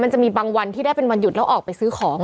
มันจะมีบางวันที่ได้เป็นวันหยุดแล้วออกไปซื้อของ